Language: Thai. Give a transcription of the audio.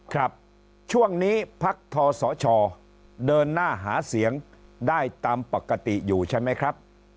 ครับช่วงนี้พักทศชเดินหน้าหาเสียงได้ตามปกติอยู่ใช่ไหมครับ